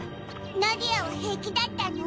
ナディアは平気だったの？